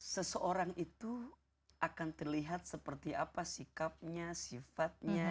seseorang itu akan terlihat seperti apa sikapnya sifatnya